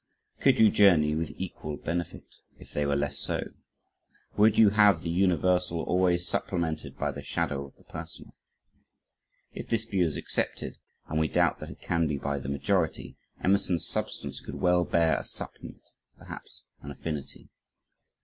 Could you journey, with equal benefit, if they were less so? Would you have the universal always supplemented by the shadow of the personal? If this view is accepted, and we doubt that it can be by the majority, Emerson's substance could well bear a supplement, perhaps an affinity.